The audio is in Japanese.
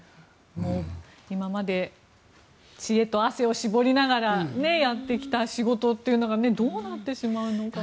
今まで知恵と汗を絞りながらやってきた仕事というのがどうなってしまうのか。